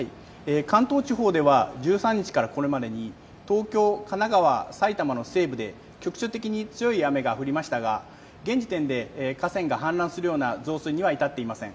関東地方では１３日からこれまでに東京、神奈川、埼玉の西部で局所的に強い雨が降りましたが現時点で河川が氾濫するような増水には至っていません。